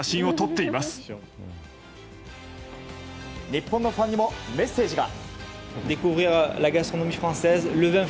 日本のファンにもメッセージが。